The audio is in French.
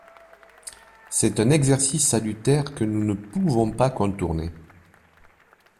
C’est un exercice salutaire que nous ne pouvons pas contourner.